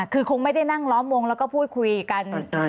คือคงไม่ได้นั่งล้อมวงแล้วก็พูดคุยกัน